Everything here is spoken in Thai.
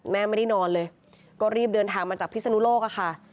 แม่ไม่ได้นอนเลยก็รีบเดินทางมาจากพิศนุโลกอะค่ะ